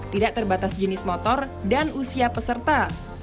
tidak terbatas jenis motor dan usia peserta